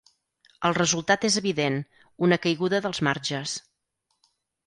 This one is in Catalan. El resultat és evident: una caiguda dels marges.